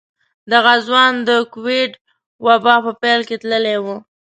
دغه ځوان د کوويډ وبا په پيل کې تللی و.